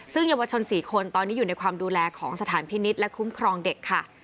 ซึ่งเยาวชน๔คนตอนนี้อยู่ในความดูแลของสถานพินิษฐ์และคุ้มครองเด็กค่ะ